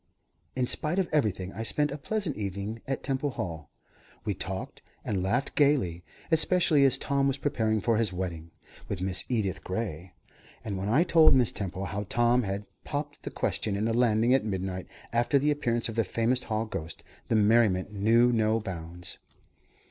In spite of everything, I spent a pleasant evening at Temple Hall. We talked and laughed gaily, especially as Tom was preparing for his wedding with Miss Edith Gray, and when I told Mrs. Temple how Tom had popped the question on the landing at midnight, after the appearance of the famous hall ghost, the merriment knew no bounds.